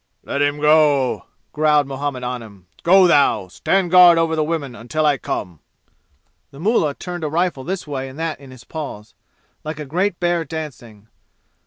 "Let him go!" growled Muhammad Anim. "Go thou! Stand guard over the women until I come!" The mullah turned a rifle this way and that in his paws, like a great bear dancing.